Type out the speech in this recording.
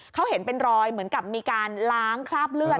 เขาเห็นเป็นรอยเหมือนกับมีการล้างคราบเลือด